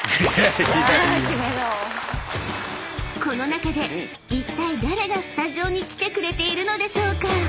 ［この中でいったい誰がスタジオに来てくれているのでしょうか？］